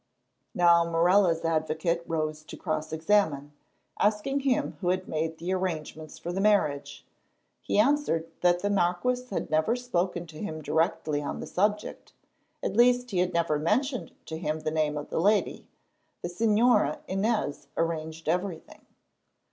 Now Morella's advocate rose to cross examine, asking him who had made the arrangements for the marriage. He answered that the marquis had never spoken to him directly on the subject—at least he had never mentioned to him the name of the lady; the Señora Inez arranged everything.